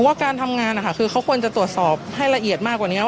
ว่าการทำงานคือเขาควรจะตรวจสอบให้ละเอียดมากกว่านี้